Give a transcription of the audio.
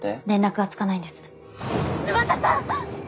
連絡がつかないんです。